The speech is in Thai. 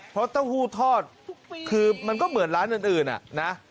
เพราะเต้าหู้ทอดคือมันก็เหมือนร้านอื่นอ่ะนะ